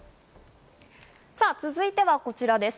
続いてはこちらです。